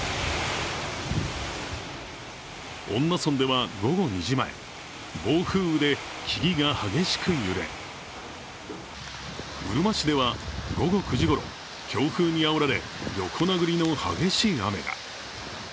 恩納村では午後２時前、暴風雨で木々が激しく揺れうるま市では午後９時ごろ、強風にあおられ横殴りの激しい雨が。